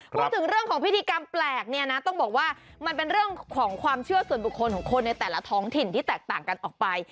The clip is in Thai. พูดถึงเรื่องของพิธีกรรมแปลกเนี่ยนะต้องบอกว่ามันเป็นเรื่องของความเชื่อส่วนบุคคลของคนในแต่ละท้องถิ่นที่แตกต่างกันออกไป